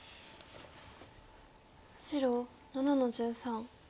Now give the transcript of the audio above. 白７の十三。